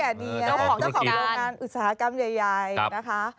เท่าแก่นี้นะเจ้าของโรงงานอุตสาหกรรมใหญ่นะคะ